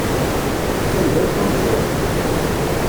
Fkan-d akk tameẓẓuɣt.